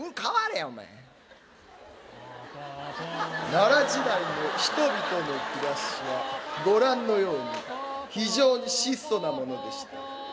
奈良時代の人々の暮らしはご覧のように非常に質素なものでした。